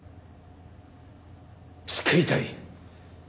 救いたい。